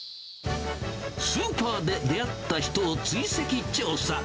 スーパーで出会った人を追跡調査。